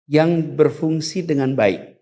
yang berfungsi dengan baik